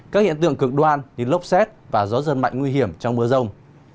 các hiện tượng cực đoan như lốc xét và gió giật mạnh nguy hiểm trong mưa rông